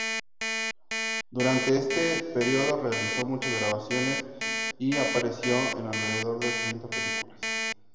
Durante este periodo, realizó muchas grabaciones y apareció en alrededor de treinta películas.